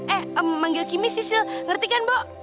eh manggil kimi sisil ngerti kan bo